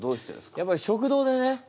やっぱり食堂でね